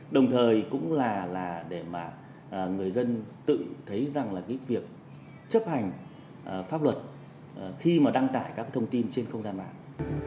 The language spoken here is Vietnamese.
đồng thời cũng là để mà người dân tự thấy rằng là cái việc chấp hành pháp luật khi mà đăng tải các thông tin trên không gian mạng